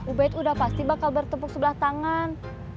ubed udah pasti bakal bertepuk sebelah tangan